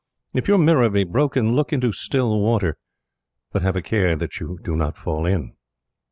If your mirror be broken, look into still water; but have a care that you do not fall in.